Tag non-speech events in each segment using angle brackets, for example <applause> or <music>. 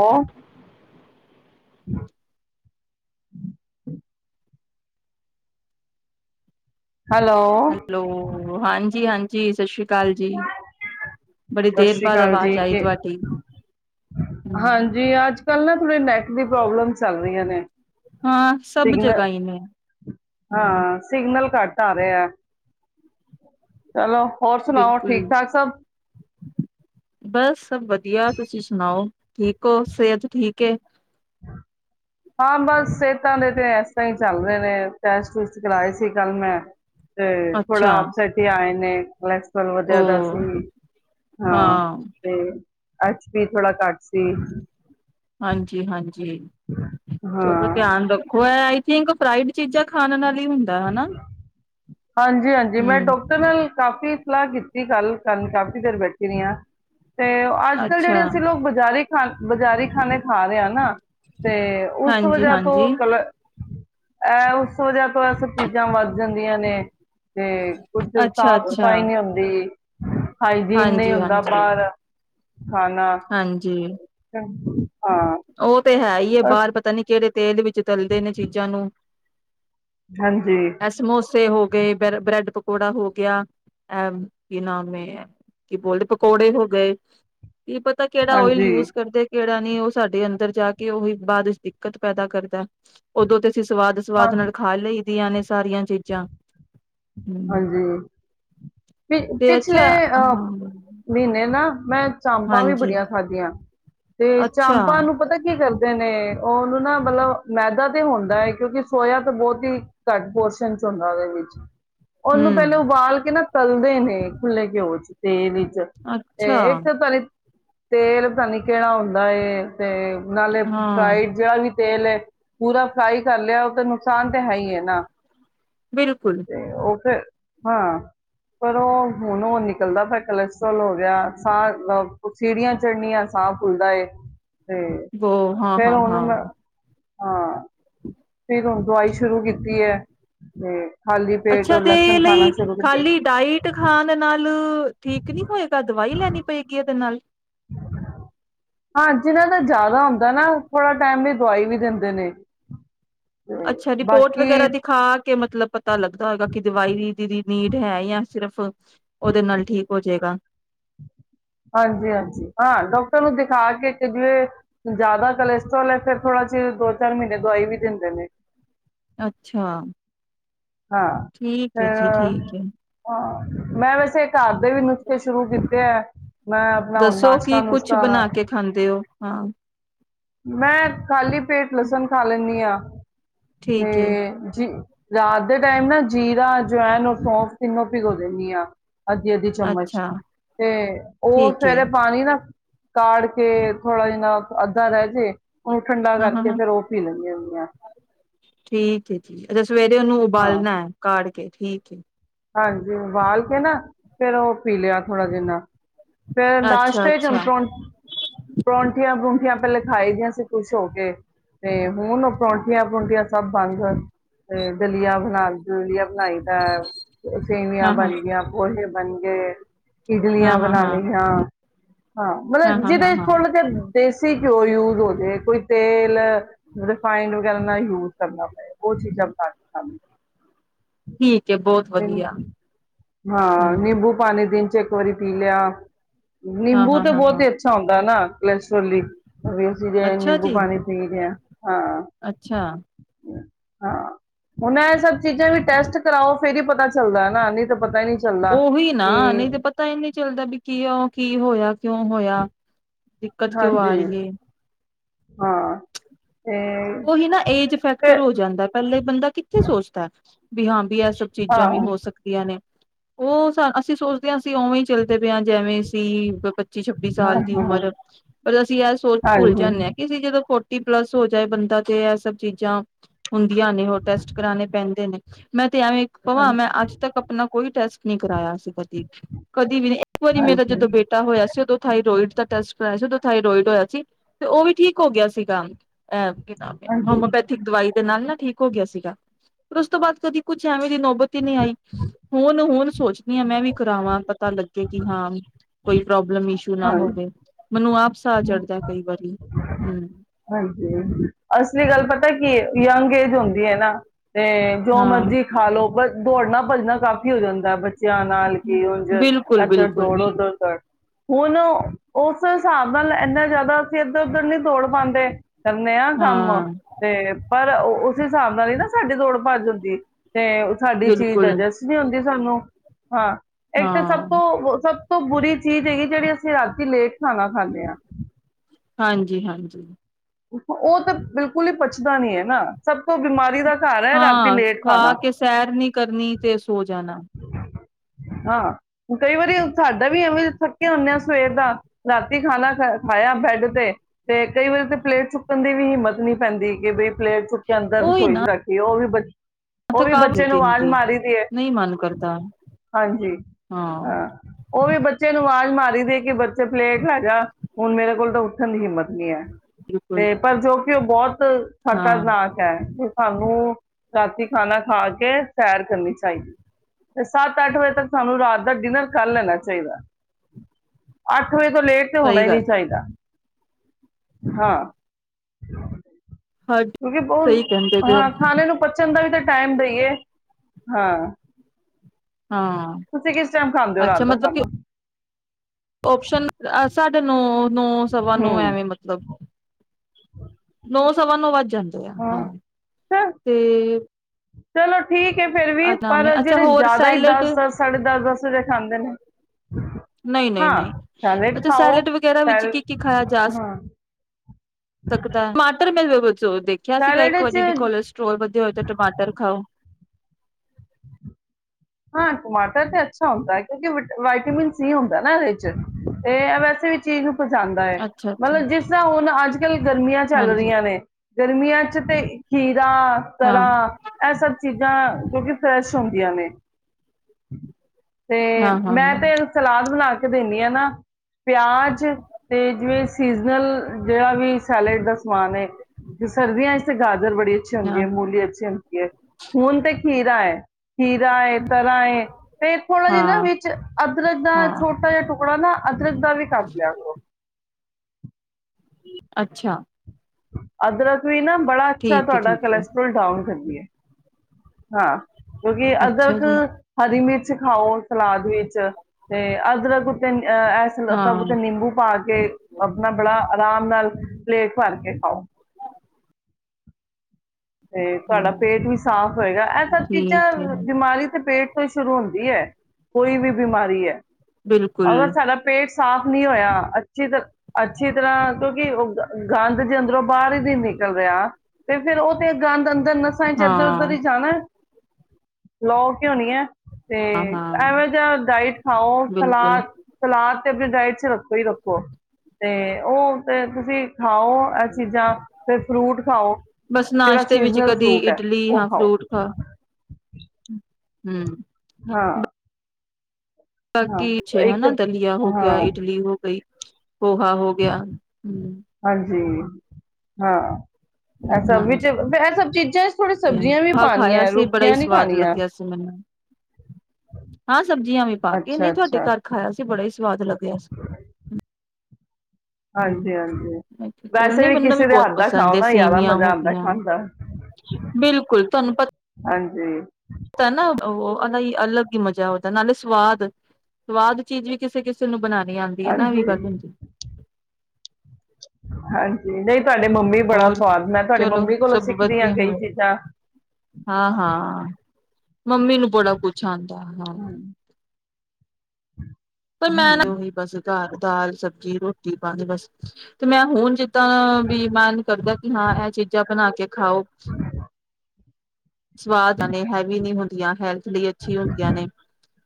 ਓਹ <inaudible> ਹੈਲੋ ਹਾਂਜੀ ਹਾਂ ਜੀ ਸਤਿ ਸ਼੍ਰੀ ਅਕਾਲ ਜੀ, ਬੜੇ ਸਤਿ ਦੇਰ ਸ੍ਰੀ ਬਾਦ ਅਕਾਲ ਆਵਾਜ ਜੀ ਆਈ ਕੇ ਤੁਆਡੀ ਹਾਂਜੀ ਅੱਜ ਕੱਲ ਨਾ ਥੋੜੇ ਨੇਟ ਦੀ ਪ੍ਰੋਬਲਮ ਚੱਲ ਰੀਆਂ ਨੇ ਹਾਂ ਸਭ ਸਿਗਨਲ, ਜਗ੍ਹਾ ਹੀ ਨੇ ਹਮ ਹਾਂ ਸਿਗਨਲ ਕੱਟ ਘੱਰੇ ਆ ਚਲੋ ਹੋਰ ਸੁਣਾਓ ਠੀਕ ਬਿਲਕੁਲ ਠਾਕ ਸਭ ਬਸ ਸਭ ਵਦੀਆ ਤੁਸੀਂ ਸੁਣਾਓ ਠੀਕ ਓ ਸੇਹਤ ਠੀਕ ਏ? ਹਾਂ ਬਸ ਸਿਹਤਾਂ ਦੇ ਤੇ ਏਸਤਰਾਂ ਹੀ ਚੱਲ ਰਏ ਨੇ ਟੈਸਟ ਟੂਸਟ ਕਰਾਏ ਸੀ ਕੱਲ ਮੈਂ ਤੇ ਥੋੜਾ ਅੱਛਾ ਅਪਸੇਟ ਈ ਆਏਨ ਫ੍ਰੇ ਕੁਵੈਂਸ। ਫਲੋ ਜਾਦਾ ਸੀ, ਉਹ ਹਾਂ ਤੇ ਐਚ ਪੀ ਥੋੜਾ ਘੱਟ ਸੀ। ਹਾਂਜੀ ਹਾਂਜੀ। ਚਲੋ ਹਾਂ ਧਿਆਨ ਰੱਖੋ, ਏ ਆਈ ਥਿੰਕ ਫਰਾਈਡ ਚੀਜਾਂ ਖਾਣ ਨਾਲ ਹੀ ਹੁੰਦਾ ਹਨਾ ਹਾਂਜੀ ਹਾਂਜੀ, ਮੈਂ ਹਮ ਡੋਕਟਰ ਨਾਲ ਕਾਫੀ ਸਲਾਅ ਕੀਤੀ ਕੱਲ, ਕੱਲ ਕਾਫੀ ਦੇਰ ਬੈਠੀ ਰਿਆਂ। ਤੇ ਅੱਜ-ਕੱਲ ਅੱਛਾ ਜੇੜੇ ਅਸੀ ਲੋਗ ਬਜਾਰੀ ਖਾ, ਬਜ਼ਾਰੀ ਖਾਨੇ ਖਾ ਰੇ ਆ ਨਾ ਤੇ ਉਸ ਹਾਂਜੀ ਵਜ੍ਹਾ ਤੋਂ ਹਾਂਜੀ ਕਲ ਐ ਉਸ ਵਜਾਅ ਤੋ ਐਸੀ ਚੀਜਾ ਵੱਧ ਜਾਂਦੀਆਂ ਨੇ। ਤੇ ਕੁੱਜ ਅੱਛਾ ਸਾਫ਼ ਅੱਛਾ ਸਫ਼ਾਈ ਨਈ ਹੁੰਦੀ। ਹਾਈਜੀਨ ਨਈ ਹਾਂਜੀ ਹੁੰਦਾ ਹਾਂਜੀ ਬਾਰ ਹ ਨਾ ਓ ਤੇ ਹੈ ਈ। ਏਹ ਬਾਰ ਪਤਾ ਨਹੀਂ ਕੀ ਦੇ ਤੇਲ ਵਿੱਚ ਤਲਦੇ ਨੇ ਚੀਜਾ ਨੂੰ। ਹਾਂਜੀ ਏ ਸਮੋਸੇ ਹੋ ਗਏ, ਬ੍ਰੈ ਬ੍ਰੈਡ ਪਕੌੜਾ ਹੋ ਗੇਆ, ਐ ਕੀ ਨਾਮ ਏ, ਕੀ ਬੋਲਦੇ ਪਕੌੜੇ ਹੋ ਗਏ ਕੀ ਪਤਾ ਕੇੜਾ ਓਇਲ ਹਾਂਜੀ ਯੂਜ ਕਰਦੇ, ਕੇ ਤਾਂ ਨੀ ਓਸ ਤਾਡੇ ਅੰਦਰ ਜਾ ਕੇ ਓਹੀ ਬਾਦ ਵਿੱਚ ਦਿੱਕਤ ਪੈਦਾ ਕਰਦਾ ਓਦੋ ਤੇ ਅਸੀ ਸਵਾਦ ਹਾਂ ਸਵਾਦ ਨਾਲ ਖਾ ਲਈ ਦੀਆਂ ਨੇ ਸਾਰੀਆਂ ਚੀਜਾਂ। ਹਾਂਜੀ, ਪਿ ਤੇ ਪਿਛਲੇ, ਅੱਛਾ ਅਹ ਹਾਂ ਮਹੀਨੇ ਨਾ ਮੈਂ ਚਾਮਪਾਂ ਵੀ ਹਾਂਜੀ ਬੜੀਆਂ ਖਾਦੀਆ, ਤੇ ਅੱਛਾ ਚਾਮਪਾਂ ਨੂੰ ਪਤਾ ਕੀ ਕਰ ਦੇ ਨੇ, ਓਨੂੰ ਨਾ ਮਤਲਬ ਮੈਦਾ ਤੇ ਹੁੰਦਾ ਏ ਕਯੂਕਿ ਸੋਯਾ ਤੇ ਬਹੁਤ ਹੀ ਘੱਟ ਪੋਰਸ਼ਨ ਚ ਹੁੰਦਾ ਓਦੇ ਵਿੱਚ ਓਨੂੰ ਪੈਲੇ ਹਮ ਉਬਾਲ ਕੇ ਨਾ ਤਲਦੇ ਨੇ, ਖੁੱਲੇ ਘਿਓ ਚ ਤੇਲ ਚ, ਅੱਛਾ ਤੇ ਇੱਕ ਤੁਆ- ਤੇਲ ਪ੍ਰਾ ਨੀ ਕੇੜਾ ਹੁੰਦਾ ਏ, ਤੇ ਨਾਲੇ ਹਾਂ ਫਰਾਈਡ ਜੇੜਾ ਵੀ ਤੇਲ ਏ। ਪੂਰਾ ਫਰਾਈ ਕਰ ਲਿਆ ਓਹ ਤ ਨੁਕਸਾਨ ਤੇ ਹੈ ਹੀ ਏ ਨਾ। ਬਿਲ ਤੇ ਓ ਫੇ ਹਾਂ, ਪਰ ਓਹ ਹੁਨ ਓ ਨਿਕਲਦਾ ਪੇ ਕਲੈਸਰ੍ਰੋਲ ਹੋ ਗੇਆ, ਸਾਹ ਸੀਦੀਆਂ ਚੜਨੀਆਂ ਸਾਹ ਫੁੱਲਦਾ ਏ। ਤੇ ਬ, ਹਾਂ, ਫੇਰ ਹਾਂ, ਹੁਣ ਮੈਂ ਹਾਂ। ਹਾਂ, ਫਿਰ ਹੁਨ ਦਵਾਈ ਸ਼ੁਰੂ ਕੀਤੀ ਏ, ਤੇ ਖਾਲੀ ਪੇਟ ਅੱਛਾ ਤੇ ਲਸਣ ਖਾਣਾ ਲਈ ਸ਼ੁਰੂ ਕੀਤਾ ਖਾਲੀ ਡਾਇਟ ਖਾਨ ਨਾਲ ਠੀਕ ਨੀ ਹੋਏਗਾ, ਦਵਾਈ ਲੈਣੀ ਪਏਗੀ ਏਦੇ ਨਾਲ। ਹਾਂ, ਜਿਨਾਂ ਦਾ ਜ਼ਾਦਾ ਹੁੰਦਾ ਨਾ ਥੋੜਾ ਟੈਮ ਵੀ ਦਵਾਈ ਵੀ ਦਿੰਦੇ ਨੇ। ਤੇ ਅੱਛਾ ਰਿਪੋਟ ਬਾਕੀ ਵਗੈਰਾ ਦਿਖਾ ਕੇ ਮਤਲਬ ਪਤਾ ਲੱਗਦਾ ਹੋਏਗਾ ਕਿ ਦਵਾਈ ਦੀ ਦੀ ਨੀਡ ਹੈ ਯਾ ਸਿਰਫ ਓਦੇ ਨਾਲ ਠੀਕ ਹੋਜੇਗਾ। ਹਾਂਜੀ, ਹਾਂਜੀ ਹਾਂ ਡੋਕਟਰ ਨੂੰ ਦਿਖਾ ਕੇ ਵੀ ਏ, ਜ਼ਿਆਦਾ ਕਲੇਸਟ੍ਰੋਲ ਏ ਫਿਰ ਥੋੜਾ ਚੀਰ ਦੋ ਤੀਨ ਮ੍ਹੀਨੇ ਦਵਾਈ ਵੀ ਦਿੰਦੇ ਨੇ। ਅੱਛਾ। ਹਾਂ। ਠੀਕ ਹੈ ਜੀ ਠੀਕ <unintelligible> ਹੈ ਮੈਂ ਵੈਸੇ ਘਰ ਦੇ ਵੀ ਨੁਕਸੇ ਸ਼ੁਰੂ ਕੀਤੇ ਐ, ਮੈਂ ਅਪਨਾ ਹੁਨ ਦੱਸੋ ਨਾਸ਼ਤਾ ਕਿ ਕੁਛ ਨੂਸ਼ਤਾ ਬਣਾ ਕੇ ਖਾਂਦੇ ਹੋ ਹਾਂ ਖਾਲੀ ਪੇਟ ਲਸਣ ਖਾ ਲੈਂਦੀ ਹਾਂ ਠੀਕ ਹੈ ਤੇ, ਜੀ ਰਾਤ ਦੇ ਟਾਈਮ ਨਾ ਜੀਰਾ, ਅਜਵੈਨ ਔਰ ਸੌਂਫ ਤਿੰਨੋਂ ਭਿਗੋ ਦਿੰਨੀ ਆਂ ਅੱਦੀ, ਅੱਦੀ ਚੱਮਚ ਅੱਛਾ ਤੇ ਓ ਠੀਕ ਹੈ ਸਵੇਰੇ ਪਾਣੀ ਨਾ ਕਾੜ ਕੇ ਥੋੜਾ <unintelligible> <unintelligible> ਓ ਠੰਡਾ ਹਾਂ ਹਾਂ ਕਰਕੇ ਹਾਂ ਫੇਰ ਓ ਪੀ ਲੈਂਨੀ ਹੁੰਨੀ ਆਂ। ਤੇ ਓਨੂੰ ਉਬਾਲਨੈ ਕਾੜ ਕੇ ਠੀਕ ਠੀਕ। ਹਾਂਜੀ, ਉਬਾਲ ਕੇ ਨਾ ਫੇਰ ਓ ਪੀ ਲਿਆ ਥੋੜਾ ਜੇਆ ਨਾਲ, ਫੇਰ ਅ ਅੱਛਾ ਨਾਸ਼ਤੇ ਚ ਹੋਂ ਅੱਛਾ ਪ ਪਰੌਂਠੀਆਂ, ਪੂਰੂੰਠੀਆਂ ਪੈਲੇ ਖਾਈ ਦੀਆਂ ਸੀ ਖੁਸ਼ ਹੋ ਕੇ, ਤੇ ਹੁਨ ਓ ਪਰੌਂਠੀਆਂ, ਪੂਰੂੰਠੀਆਂ ਸਬ ਬੰਦ ਤੇ ਦਲੀਆ ਬਣਾ ਦਲੀਆ ਬਣਾਈ ਦੈ। ਸੇਵੀਆਂ ਹਾਂ ਹਾਂ ਬਣਦੀਆਂ ਪੋਹੇ ਬੰਗੇ। ਇਡਲੀਆ ਹਾਂ ਹਾਂ ਬਨਾ ਹਾਂ ਲਈਆਂ। ਹਾਂ, ਮਲਬ ਹਾਂ ਹਾਂ ਹਾਂ ਜਿਦੇ ਦੇਸੀ ਘਿਓ ਯੂਜ ਹੋ ਜੇ, ਕੋਈ ਤੇਲ, ਰਿਫਾਈਂਡ ਵਗੈਰਾ ਨਾ ਯੂਜ ਕਰਨਾ ਪਏ, ਓ ਚੀਜਾਂ ਠੀਕ ਹੈ ਬਹੁਤ ਵਧੀਆ ਹਾਂ ਹਮ ਨਿੰਬੂ ਪਾਨੀ ਦਿਨ ਚੇ ਇੱਕ ਵਾਰੀ ਪੀ ਲਿਆ ਹਾਂ ਨਿੰਬੂ ਹਾਂ ਤੇ ਹਾਂ ਭੋਤ ਹਾਂ ਹੀ ਅੱਛਾ ਹੁੰ ਨਾ, ਕਲੇਸ਼ਲੀ ਅਸੀ ਜੇ ਅੱਛਾ ਨਿੰਬੂ ਜੀ ਪਾਣੀ ਪੀ ਗਿਆ ਹਾਂ। ਅੱਛਾ। ਹਾਂ, ਹੂਨ ਐ ਸਭ ਚੀਜਾਂ ਵੀ ਟੈਸਟ ਕਰਾਓ, ਫੇਰ ਈ ਪਤਾ ਚੱਲਦਾ। ਨਾ ਨਈ ਤੇ ਓਹੀ ਨਾ, ਨਹੀ ਤੇ ਪਤਾ ਹੀ ਨੀ ਚੱਲਦਾ ਵੀ ਕੀ ਆ ਓ, ਕੀ ਹੋਯਾ? ਕਯੋਂ ਹੋਯਾ? ਦਿੱਕਤ ਕਿਓਂ ਆ ਹਾਂਜੀ ਰਈ ਏ? ਹਾਂ। ਤੇ ਓਹੀ ਨਾ ਏਜ ਤੇ ਫੈਕਟਰ ਹੋ ਜਾਂਦਾ, ਪੈਲੇ ਬੰਦਾ ਕਿੱਥੇ ਸੋਚਦਾ। ਵੀ ਹਾਂ, ਵੀ ਏ ਸਭ ਹਾਂ ਚੀਜਾਂ ਵੀ ਹੋ ਸਕਦੀਆਂ ਨੇ। ਓ ਸਾ, ਅਸੀ ਸੋਚਦੇ ਆ ਅਸੀ ਓਵੇਂ ਹੀ ਚੱਲਦੇ ਪਏ ਆ ਜੇਵੇਂ ਸੀ ਪੱਚੀ-ਛੱਬੀ ਹਾਂ ਸਾਲ ਦੀ ਹਾਂ ਉਮਰ, ਪਰ ਅਸੀ ਏ ਸੋਚ ਪੂੱਲ ਹਾਂਜੀ ਜਾਨੇ ਆ ਕਿ ਅਸੀ ਜਦੋ ਫੋ ਟੀ ਪਲੱਸ ਹੋ ਜਾਏ ਬੰਦਾ ਤੇ ਏਹ ਸਭ ਚੀਜਾਂ ਹੁੰਦੀਆਂ ਨੇ, ਹੋ ਟੈਸਟ ਕਰਾਨੇ ਪੈਂਦੇ ਨੇ, ਮੈਂ- ਤੇ ਐਵੇਂ ਪਵਾ ਹਾਂਜੀ ਮੈਂ ਅੱਜ ਤੱਕ ਅਪਨਾ ਕੋਈ ਟੈਸਟ ਨੀ ਕਰਾਯਾ ਸੀ ਕਦੀ, ਕਦੀ ਵੀ ਨੀ, ਇੱਕ ਵਾਰੀ ਮੇਰਾ ਹਾਂਜੀ ਜਦੋ ਬੇਟਾ ਹੋਯਾ ਸੀ ਓਦੋਂ ਥਾਈਰੋਇਡ ਦਾ ਟੈਸਟ ਕਰਾਯਾ ਸੀ ਥਾਈਰੋਇਡ ਹੋਇਆ ਸੀ ਤੇ ਓਹ ਵੀ ਠੀਕ ਹੋ ਗਿਆ ਸੀਗਾ। ਐ ਕਿ ਨਾਮ ਏ? ਹਾਂਜੀ ਹੋਮਓਪੈਥਿਕ ਦਵਾਈ ਦੇ ਨਾਲ ਨਾ ਠੀਕ ਹੋ ਗਿਆ ਸੀਗਾ, ਫਿਰ ਉਸ ਤੋਂ ਬਾਦ ਕਦੀ ਕੁੱਛ ਐਵੇਂ ਦੀ ਨੌਬਤ ਈ ਨੀ ਆਈ। ਹੁਨ ਹੁਨ ਸੋਚਦੀ ਆ ਮੈਂ ਵੀ ਕਰਾਵਾਂ, ਪਤਾ ਲੱਗੇ ਕਿ ਹਾਂ ਕੋਈ ਪ੍ਰੋਬ ਲਮ ਇਸ਼ੂ ਨਾ ਹਾਂ ਹੋਵੇ, ਮੈਨੂੰ ਆਪ ਸਾਹ ਚੜਦਾ ਕਈ ਵਾਰੀ। ਹੂੰ। ਹਾਂਜੀ, ਅਸਲੀ ਗੱਲ ਪਤਾ ਕੀ ਏ ਯੰਗ ਏਜ ਹੁੰਦੀ ਹੈ ਨਾ ਤੇ ਜੋ ਹਾਂ ਮਰਜੀ ਖਾ ਲੋੋ ਬ ਦੌੜਨਾ ਪੱਜਣਾ ਕਾਫੀ ਹੋ ਜਾਂਦਾ ਬ ਚੇਆ ਨਾਲ ਕੇ, ਉਂਝ ਬਿਲਕੁਲ ਇਧਰ ਬਿਲਕੁਲ ਦੌੜ, ਓਧਰ ਦੜ। ਹੁਨ ਓਸ ਈਸਾਬ ਨਾਲ ਏਨਾ ਜਾਦਾ ਅਸੀ ਇੱਧਰ ਓਧਰ ਨਈ ਦੋੜ ਪਾਂਦੇ। ਤੇ ਕਰਨੇ ਆ ਕੰਮ, ਹਾਂ ਤੇ ਪਰ ਓਸ ਹਿਸਾਬ ਨਾਲ ਹੀ ਨਾ ਸਾਡੀ ਦੋੜ ਭੱਜ ਹੂੰ, ਤੇ ਸਾਡੀ ਚੀਜ ਬਿਲਕੁਲ ਡਾਏਜਸਟ ਨੀ ਹੁੰਦੀ ਸਾਨੂੰ। ਹਾਂ, ਇੱਕ ਤ ਸਭ ਹਾਂ ਤੋਂ, ਸਭ ਤੋਂ ਬੁਰੀ ਚੀਜ ਹੈਗੀ ਜੇੜੀ ਅਸੀਂ ਰਾਤ ਤੀ ਲੇਟ ਖਾਨਾ ਖਾਨੇ ਆ। ਹਾਂਜੀ, ਹਾਂਜੀ। ਓ ਤਾਂ ਬਿਲਕੁਲ ਹੀ ਪਚਦਾ ਨਈ ਐ ਨਾ, ਸਭ ਤੋਂ ਬਿਮਾਰੀ ਦਾ ਘਰ ਹੈ ਰਾਤੀ ਹਾਂ, ਲੇਟ ਖਾ ਖਾਣਾ ਕੇ ਸੈਰ ਨਈ ਕਰਨੀ ਤੇ ਸੋ ਜਾ ਨਾ। ਹਾਂ, ਕਈ ਵਾਰੀ ਸਾਡਾ ਵੀ ਐਵੇਂ ਥੱਕੇ ਹੋਨੇ ਆ ਸਵੇਰ ਦਾ, ਰਾਤੀ ਖਾਨਾ ਖ ਖਾਯਾ ਬੈਡ ਤੇ, ਤੇ ਕਈ ਵਾਰੀ ਤੇ ਪਲੇਟ ਚੁੱਕਨ ਦੀ ਵੀ ਹਿੰਮਤ ਨਈ ਪੈਂਦੀ ਕਿ ਬਈ ਪਲੇਟ ਚੁੱਕ ਕੇ ਅੰਦਰ ਉਹੀ ਰਸੋਈ ਨਾ ਚ ਰੱਖੀਏ, ਓਹ ਵੀ ਬੱ ਓ ਵੀ ਥਕਾਵ ਬੱਚੇ ਨੂੰ ਦਿਨ ਆਵਾਜ ਮਾਰੀ ਦੀ ਏ। ਨਹੀਂ ਮਨ ਕਰਦਾ ਹਾਂਜੀ, ਹਾਂ, ਓਹ ਵੀ ਬੱਚੇ ਨੂੰ ਆਵਾਜ ਮਾਰ ਦੀ ਏ ਕਿ ਬੱਚੇ ਪਲੇਟ ਲੈ ਜਾ ਹੁਨ ਮੇਰੇ ਕੋਲ ਤਾਂ ਉੱਠਣ ਦੀ ਹਿੰਮਤ ਨੀ ਹੈ। ਬਿਲਕੁਲ ਤੇ ਪਰ ਜੋ ਓ ਬੋਤ ਖ ਹਾਂ ਖਤਰਨਾਕ ਐ। ਸਾਨੂੰ ਰਾਤੀ ਖਾਨਾ ਖਾ ਕੇ ਸੈਰ ਕਰਨੀ ਚਾਹੀਦੀ। ਤੇ ਸੱਤ-ਅੱਠ ਵਜੇ ਤੱਕ ਸਾਨੂੰ ਰਾਤ ਦਾ ਡਿਨਰ ਕਰ ਲੈਨਾ ਚਾਈਦਾ, ਅੱਠ ਅਠ ਵਜੇ ਤੋਂ ਲੇਟ ਤੇ ਹੋਨਾ ਸਹੀ ਹੀ ਨਹੀਂ ਗੱਲ ਹੈ ਚਾਹੀਦਾ। ਹਾਂ। ਹ ਕਯੋਂਕਿ ਬੋਤ, ਸਹੀ ਕਹਿੰਦੇ ਪਏ ਹੋ ਹਾਂ ਥਾਨੇ ਨੂੰ ਪਚੱਨ ਦਾ ਵੀ ਤਾ ਟੈਮ ਦਈਏ, ਹਾਂ। ਹਾਂ ਤੁਸੀਂ ਕਿਸ ਟੈਮ ਖਾਂਦੇ ਹੋ ਰਾਤ ਅੱਛਾ ਦਾ ਮਤਲਬ ਕਿ ਖਾਨਾ? ਓਪਸ਼ਨ ਸਾਢੇ ਨੌ, ਨੌ, ਸਵਾ ਨੌ, ਐਵੇਂ ਹੂੰ ਮਤਲਬ, ਨੌ ਸਵਾ ਨੌ ਵਜ ਜਾਂਦੇ ਆ, ਹਾਂ ਚ- ਤੇ ਚਲੋ ਠੀਕ ਏ ਫੇਰ ਵੀ, ਨਾਮ ਏ ਪਰ ਅੱਛਾ ਜੇੜੇ ਹੋਰ ਜਾਦਾ ਈ ਸੈਲਡ ਦਸ, ਦਸ, ਸਾਢੇ ਦਸ, ਦਸ ਖਾਂਦੇ ਨੇ। ਨਈ, ਨਈ, ਹਾਂ ਨਈ, ਅੱਛਾ ਖਾਓ ਸੈਲਡ ਵਗੈਰਾ ਵਿੱਚ ਸੈਲ ਕੀ ਕੀ ਖਾਯਾ ਜਾ ਹਾਂ ਸ ਕਦਾ, ਟਮਾਟਰ ਮਿਲ ਜੋ ਦੇਖਿਆ ਸੀਗਾ ਸੈਲਡ ਇੱਕ ਵਾਰੀ ਵੀ ਵਿੱਚ ਕੋਲੇਸਟਰ੍ਰੋਲ ਵਧੀਆ ਹੋਏ ਤੇ ਟਮਾਟਰ ਖਾਓ। <inaudible> ਹਾਂ, ਟਮਾਟਰ ਤੇ ਅੱਛਾ ਹੁੰਦਾ ਕਿਉਂਕਿ ਵਿਟਾ ਵਾਈਟਮਿਨ ਸੀ ਹੁੰਦਾ ਨਾ ਇਹਦੇ ਚ ਤੇ ਵੈਸੇ ਵੀ ਚੀਜ ਨੂੰ ਪਚਾਂਦਾ ਏ, ਅੱਛਾ ਅੱਛਾ ਮਲਬ ਜਿਸ ਤਰਾ ਹੁਨ ਅੱਜ-ਕੱਲ ਗਰਮੀਆਂ ਚੱਲ ਹਾਂਜੀ ਰਈਆਂ ਨੇ ਗਰਮੀਆਂ ਚ ਤੇ ਖੀਰਾ, ਹਾਂ ਤਰਾਂ ਏਹ ਸਭ ਚੀਜਾਂ ਜੋ ਕਿ ਫਰੈਸ਼ ਹੁੰਦੀਆਂ ਨੇ। <inaudible> ਤੇ, ਹਾਂ ਹਾਂ ਮੈਂ ਹਾਂ ਤੇ ਸਲਾਦ ਬਨਾ ਕੇ ਦਿਨੀ ਆ ਨਾ, ਪਿਆਜ ਤੇ ਜਿਵੇਂ ਸੀਜਨਲ ਜੇੜਾ ਵੀ ਸੈਲੇਡ ਦਾ ਸਮਾਨ ਏ, ਸਰਦੀਆਂ ਵਿਚ ਤੇ ਗਾ ਜਰ ਬੜੀ ਅੱਛੀ ਹੁੰਦੀ ਏ, ਹਾਂ ਮੂਲੀ ਅੱਛੀ ਹੁੰਦੀ ਏ, ਹੁਨ ਤੇ ਖੀਰ ਦਾ ਏ, ਖੀਰ ਤਰਾਂ ਏ, ਤੇ ਥੋੜਾ ਜੇਆ ਨਾ ਹਾਂ ਵਿੱਚ ਅਦਰਕ ਦਾ ਹਾਂ ਛੋਟਾ ਜੇ ਟੁਕੜਾ ਨਾ ਅਦਰਕ ਦਾ ਵੀ ਕਟ ਲੇਆ ਕਰੋ। ਅੱਛਾ। ਅਦਰਕ ਵੀ ਨਾ ਬੜਾ ਅੱਛਾ ਠੀਕ ਹੈ ਤੁਆਡਾ ਠੀਕ ਹੈ ਕੋਲੈਸਟਰ੍ਰੋਲ ਡਾਉਨ ਕਰਦੀਏ। ਹਾਂ। ਕਿਉਂਕਿ ਅੱਛਾ ਅਦਰਕ, ਜੀ ਹਰੀ ਮਿਰਚ ਖਾਓ ਸਲਾਦ ਵਿੱਚ, ਤੇ ਅਦਰਕ ਤਿੰ ਐ ਏਸ ਨਬ ਤਬਤੇ ਹਾਂ ਨਿੰਬੂ ਪਾ ਕੇ ਅਪਨਾ ਬੜਾ ਰਾਮ ਨਾਲ ਪਲੇਟ ਭਰ ਕੇ ਖਾਓ। ਤੇ ਤੁਆਡਾ ਪੇਟ ਵੀ ਸਾਫ਼ ਹੋਏਗਾ, ਏਹ ਸਭ ਚੀਜਾਂ ਠੀਕ ਹੈ ਬਿਮਾਰੀ ਤੇ ਪੇਟ ਸ਼ੁਰੂ ਹੁੰਦੀ ਐ, ਕੋਈ ਵੀ ਬਿਮਾਰੀ ਐ। ਬਿਲਕੁਲ ਅਗਰ ਸਾਡਾ ਪੇਟ ਸਾਫ ਨੀ ਹੋਇਆ, ਅੱਛੀ ਤ ਅੱਛੀ ਤਰ੍ਹਾਂ ਕਉਂਕਿ ਓ ਗੰਦ ਜੇ ਅੰਦਰੋਂ ਬਾਰ ਨੀ ਨਿਕਲ ਰਿਆ ਤੇ ਫੇਰ ਓ ਫੇ ਗੰਦ ਓਧਰ ਨਸਾ ਚ ਹਾਂ ਏਦਰ ਉੱਧਰ ਈ ਜਾਨਾ। ਲੋਕ ਈ ਓਨੀ ਐ। ਤੇ ਹਾਂ ਹਾਂ ਐਵੇਂ ਜੇਆ ਡਾਇਟ ਖਾਓ ਬਿਲਕੁਲ ਸਲਾਦ, ਸਲਾਦ ਤੇ ਅਪਨੀ ਡਾਇਟ ਚ ਰੱਖੋ ਹੀ ਰੱਖੋ, ਤੇ ਓ ਤੇ ਤੁਸੀ ਖਾਓ ਏ ਚੀਜਾਂ ਤੇ ਫਰੂਟ ਖਾਓ। ਬਸ ਜਿਹੜਾ ਨਾਸ਼ਤੇ ਵਿੱਚ ਸੀਜ਼ਨਲ ਕਦੀ ਫਰੂਟ ਹੈ ਇਟਲੀ ਉਹ ਹਾਂ ਖਾਓ ਫਰੂਟ ਖਾ <inaudible> ਹੂੰ। ਹਾਂ। ਬਾਕੀ ਹਾਂ ਛੇ, ਇੱਕ ਹਨਾ ਦਲਿਆ ਹੋ ਹਾਂ ਗਿਆ, ਇਟਲੀ ਹੋ ਗਈ। ਪੋਹਾ ਹੋ ਗਿਆ, ਹੂੰ। ਹਾਂਜੀ ਹਾਂ। ਅਛਾ ਵਿੱਚ ਏਹ ਸਬ ਚੀਜਾਂ ਹ ਖਾਯਾ ਸੀ ਬੜਾ ਈ ਸਵਾਦ ਖਾਣੀਆਂ ਲੱਗਿਆ ਸੀ ਮੈਨੂੰ, ਹਾਂ ਸਬਜੀਆਂ ਵੀ ਪਾ ਕੇ ਅੱਛਾ ਨਈ ਤੁਆਡੇ ਅੱਛਾ ਘਰ ਖਾਯਾ ਸੀ, ਬੜਾ ਈ ਸਵਾਦ ਲੱਗਿਆ ਸੀ। ਹਾਂਜੀ, ਹੂੰ ਹਾਂਜੀ, ਚਲੋ ਵੈਸੇ ਨਹੀਂ ਵੀ ਮੈਨੂੰ ਕਿਸੇ ਦੇ ਬਹੁਤ ਹੱਥ ਦਾ ਪਸੰਦ ਖਾਓ ਹੈ ਨਾ ਜਿਆਦਾ ਸੇਵੀਆਂ ਮਜਾ ਹੋ ਆਂਦਾ ਗਈਆਂ ਖਾਨ ਦਾ, ਹਾਂਜੀ। ਤਾਂ ਨਾ, ਓ ਉਦਾ ਈ ਅਲੱਗ ਈ ਮਜ਼ਾ ਓਦਾ ਨਾਲੇ ਸਵਾਦ, ਸਵਾਦ ਚੀਜ ਵੀ ਕਿਸੇ ਕਿਸੇ ਨੂੰ ਬਨਾ ਨੀ ਆਂਦੀ ਆ ਨਾ ਵੀ, ਏ ਵੀ ਹਾਂਜੀ ਗਲ ਹੁੰਦੀ। ਨਈ ਤੁਆਡੇ ਮੰਮੀ ਬੜਾ ਹੋਰ ਸਵਾਦ, ਮੈਂ ਤਾਡੀ ਚਲੋ ਮੰਮੀ ਕੋਲੋਂ ਸਭ ਸਿੱਖਦੀ ਹਾਂ ਵਧੀਆ ਕਈ ਚੀਜਾ ਹਾਂ-ਹਾਂ ਮੰਮੀ ਨੂੰ ਬੜਾ ਕੁਛ ਆਂ ਹਾਂ। ਪਰ ਮੈਂ ਨਾ, ਓਹੀ ਬਸ ਘਰ ਦਾਲ, ਸਬਜੀ, ਰੋਟੀ, ਪਾਨੀ ਬਸ ਤੇ ਮੈਂ ਹੁਨ ਜੇ- ਤਾਂ ਵੀ ਮਨ ਕਰਦਾ ਕਿ ਹਾਂ ਇਹ ਚੀਜਾਂ ਬਨਾ ਕੇ ਖਾਓ। ਸਵਾਦ ਆਨੇ, ਹੈਵੀ ਨੀ ਹੁੰਦੀਆਂ, ਹੈਲਥ ਦੀ ਅੱਛੀ ਹੁੰਦੀਆਂ ਨੇ,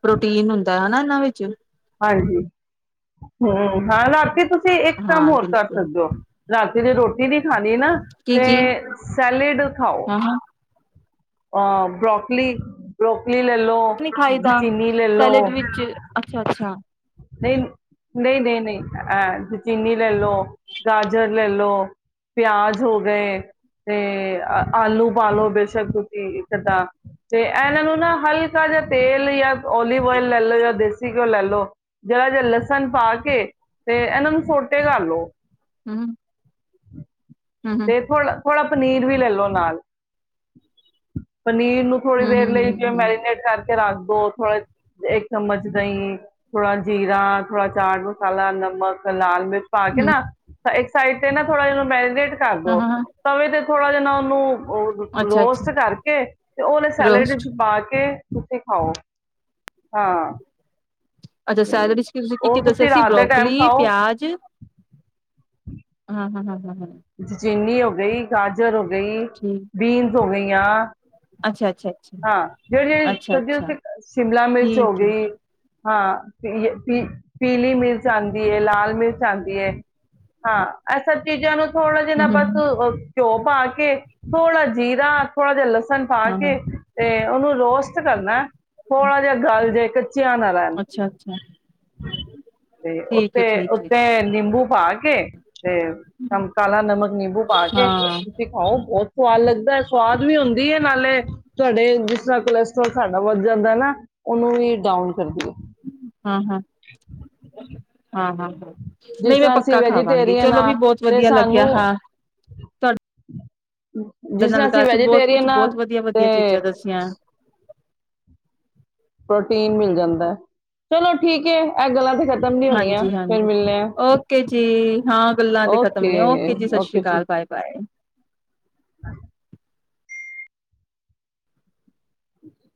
ਪ੍ਰੋਟੀਨ ਹੁੰਦਾ ਹਨਾ ਵਿੱਚ ਹਾਂਜੀ, ਹੂੰ, ਹਾਂ ਰਾਤੀ ਤੂ ਤੁਸੀਂ ਇੱਕ ਕੰਮ ਹਾਂ ਹੋਰ ਕਰ ਬਿਲਕੁਲ ਸਕਦੇ ਓ, ਰਾਤੀ ਦੀ ਰੋਟੀ ਨੀ ਖਾਨੀ ਨਾ ਤੇ ਕੀ-ਕੀ ਸੈਲੇਡ ਖਾਓ। ਹਾਂ-ਹਾਂ ਅ ਬ੍ਰੋਕਲੀ ਬੋ੍ ਕਲੀ ਲਲੋ, ਨੀ ਖਾਈ ਦਾ ਚੀਨੀ ਲੈ ਲੋ। ਸੈਲਡ ਵਿੱਚ ਅੱਛਾ-ਅੱਛਾ ਨਈ, ਨਈ ਨਈ ਨਈ, ਐ ਚੀਨੀ ਲੈ ਲੋ, ਗਾਜਰ ਲੈ ਲੋ, ਪਿਆਜ ਹੋ ਗਏ, ਤੇ ਆਲੂ ਪਾ ਲੋ ਬੇਸ਼ੱਕ ਤੁਸੀ ਇੱਕ ਅੱਦਾ, ਤੇ ਏਨਾਂ ਨੂੰ ਨਾ ਹਲਕਾ ਜੇਆ ਤੇਲ ਜਾਂ ਓਲੀਵ ਓਇਲ ਲੈ ਲੋ ਜਾਂ ਦੇਸੀ ਘਿਓ ਲੈ ਲਓ। ਜ਼ਰਾ ਜਾ ਲਸਨ ਪਾ ਕੇ ਤੇ ਏਨਾਂ ਨੂੰ ਸੋਟੇ ਕਰ ਲੋ। ਹੂੰ। <inaudible> ਤੇ ਥੋੜਾ ਥੋੜਾ ਪਨੀਰ ਵੀ ਲੈਲੋ ਨਾਲ। ਪਨੀਰ ਨੂੰ ਥੋੜ੍ਹੀ ਦੇਰ ਲਈ ਜਿਵੇ ਹੂੰ-ਹੂੰ-ਹੂੰ-ਹੂੰ-ਹੂੰ-ਹੂੰ ਮੈਰੀਨੇਟ ਕਰਕੇ ਰੱਖ ਤੋਂ ਥੋਰਾ ਇੱਕ ਚਮਚ ਦਈ ਥੋੜਾ ਜੀਰਾ, ਥੋੜਾ ਚਾਟ ਮਸਾਲਾ, ਨਮਕ, ਲਾਲ-ਮਿਰਚ ਪਾ ਕੇ ਨਾ, ਤਾਂ ਸਾਈਡ ਤੇ ਨਾਂ ਥੋੜਾ ਜਨੁ ਮੈਰੀਨੇਟ ਕਰਦੋ ਹਾਂ-ਹਾਂ ਪਵੇ ਤੇ ਥੋੜਾ ਜੇ ਓਨੂੰ ਓ ਅੱਛਾ-ਅੱਛਾ ਰੋਸਟ ਕਰਕੇ ਤੇ ਓਨੇ ਸੈਲਡ ਰੋਸਟ ਚ ਪਾ ਕੇ ਕਿਥੇ ਖਾਓ, ਹਾਂ। ਅੱਛਾ ਸੈਲੇਡ ਇਚ ਤੁਸੀ ਕੀ ਕੀ ਉਹ ਦੱਸਿਆ ਤੁਸੀਂ ਸੀ ਰਾਤ ਦੇ ਟਾਈਮ ਬਰੋਕਲੀ, ਖਾਓ ਪਿਆਜ ਹਾਂ, ਹਾਂ, ਹਾਂ, ਹ, ਹ। ਚੀਨੀ ਓ ਗਈ, ਗਾਜਰ ਓ ਗ ਗਈ, ਠੀਕ ਬੀਨਸ ਹੋ ਗਈਆਂ, ਅੱਛਾ ਅੱਛਾ ਅੱਛਾ ਹਾਂ, ਜੇੜੀ ਜੇੜੀ ਅੱਛਾ ਸਬਜੀਆਂ ਅੱਛਾ ਉਥੇ ਸ਼ਿਮਲਾ ਮਿਰਚ ਹੋ ਠੀਕ ਹੈ ਗਈ ਹਾਂ ਪ ਪੀ ਪੀਲੀ ਮਿਰਚ ਆਂਦੀ ਏ ਲਾਲ ਮਿਰਚ ਆਂਦੀ ਏ, ਹਾਂ ਇਹ ਸਭ ਚੀਜਾ ਨੂੰ ਥੋੜਾ ਜਿਨਾ ਹਮ ਬਸ ਹਮ ਘਿਓ ਪਾ ਕੇ ਥੋੜ੍ਹਾ ਜੀਰਾ ਥੋੜਾ ਜਿਹਾ ਲ ਸਣ ਪਾ ਹਾਂ ਹਾਂ ਕੇ ਤੇ ਉਹਨੂੰ ਰੋਸਟ ਕਰਨਾ ਥੋੜਾ ਜਿਹਾ ਗਲ ਜੇ ਇੱਕ ਅੱਛਾ ਅੱਛਾ ਤੇ ਠੀਕ ਹੈ ਉੱਥੇ ਠੀਕ ਹੈ ਉੱਥੇ ਨਿੰਬੂ ਪਾਕੇ ਤੇ ਕਾਲਾ ਨਮਕ ਨਿੰਬੂ ਪਾ ਹਾਂ ਕੇ ਹਾਂ ਤੁਸੀਂ ਖਾਓ ਬਹੁਤ ਸੁਆਦ ਲੱਗਦਾ ਐ ਸੁਆਦ ਵੀ ਹੁੰਦੀ ਹੈ ਨਾਲੇ ਤੁਹਾਡੇ ਜਿਸ ਤਰ੍ਹਾਂ ਕੋਲਸਟ੍ਰੋਲ ਸਾਡੇ ਵੱਧ ਜਾਂਦਾ ਨਾ ਉਹਨੂੰ ਵੀ ਡਾਊਨ ਕਰਦੀਏ ਹਾਂ ਹਾਂ <unintelligible> ਹਾਂ ਹਾਂ ਹਾਂ ਜਿਸ ਨਹੀਂ ਮੈਂ ਤਰ੍ਹਾਂ ਅਸੀਂ ਪੱਕਾ ਖਾਵਾਂਗੀ ਵੈਜੀਟੇਰੀਅਨ ਚਲੋ ਵੀ ਹਾਂ ਬਹੁਤ ਤੇ ਵਧੀਆ ਲੱਗਿਆ ਸਾਨੂੰ ਹਾਂ ਤੁਡ ਜਿਸ ਤਰ੍ਹਾਂ ਅਸੀਂ ਵੈਜੀਟੇਰੀਅਨ ਵਧੀਆ ਤੇ ਵਧੀਆ ਚੀਜ਼ਾਂ ਦੱਸੀਆਂ ਪ੍ਰੋਟੀਨ ਮਿਲ ਜਾਂਦਾ ਚਲੋ ਠੀਕ ਹੈ ਇਹ ਗੱਲਾਂ ਤੇ ਕਰ ਹਾਂਜੀ ਹਾਂਜੀ ਓਕੇ ਜੀ ਹਾਂ ਗੱਲਾਂ ਤੇ ਖਤਮ ਨੇ ਓਕੇ ਜੀ ਸਤਿ ਸ਼੍ਰੀ ਅਕਾਲ ਬਾਏ ਬਾਏ <unintelligible> <inaudible>